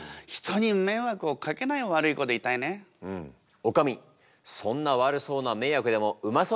おかみそんなワルそうな迷惑でもうまそうに書けますよね？